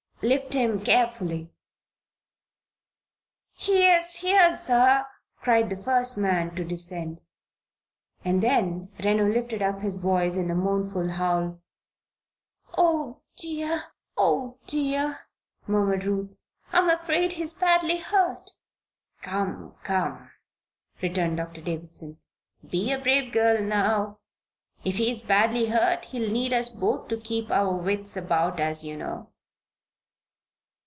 Lift him carefully " "He's here, sir!" cried the first man to descend. And then Reno lifted up his voice in a mournful howl. "Oh, dear! oh, dear!" murmured Ruth. "I am afraid he is badly hurt." "Come, come!" returned Doctor Davison. "Be a brave girl now. If he is badly hurt he'll need us both to keep our wits about us, you know."